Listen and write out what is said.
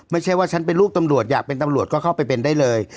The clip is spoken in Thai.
ไม่ใช่ว่าฉันเป็นลูกตำรวจอยากเป็นตำรวจก็เข้าไปเป็นได้เลย